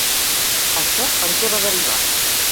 Això en què va derivar?